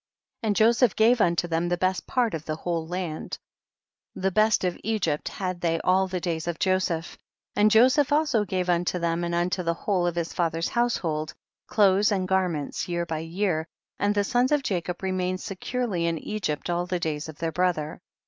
27. And Joseph gave unto them the best part of the whole land ; the best of Egypt had they all the days of Joseph ; and Joseph also gave unto them and unto the whole of his father's household, clothes and gar ments year by year ; and the sons of Jacob remained securely in Egypt all the days« of their brother.